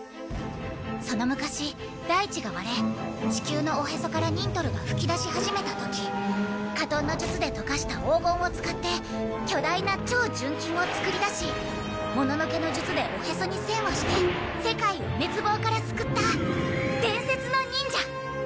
その昔大地が割れ地球のおへそからニントルが噴き出し始めた時火遁の術で溶かした黄金を使って巨大な超純金を作り出しもののけの術でおへそに栓をして世界を滅亡から救った伝説の忍者！